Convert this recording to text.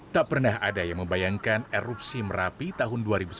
tak pernah ada yang membayangkan erupsi merapi tahun dua ribu sebelas